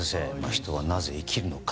人はなぜ生きるのか。